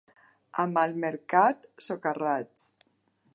A Malmercat, socarrats.